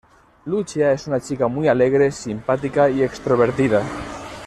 Luchia es una chica muy alegre, simpática y extrovertida.